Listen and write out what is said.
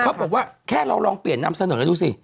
เขาบอกว่าแค่เราลองเปลี่ยนนำเสนอดูสิ